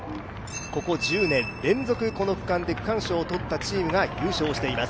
ここ１０年連続この区間で区間賞を取ったチームが優勝しています。